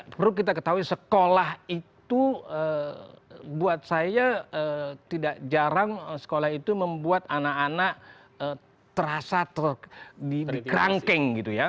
perlu kita ketahui sekolah itu buat saya tidak jarang sekolah itu membuat anak anak terasa di cranking gitu ya